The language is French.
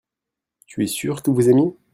tu es sûr que vous aimiez.